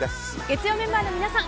月曜メンバーの皆さん